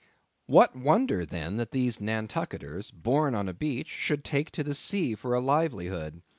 What wonder, then, that these Nantucketers, born on a beach, should take to the sea for a livelihood!